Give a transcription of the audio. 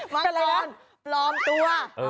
มังกรปลอมตัว